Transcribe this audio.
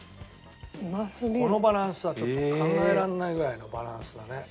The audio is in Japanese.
このバランスはちょっと考えられないぐらいのバランスだね。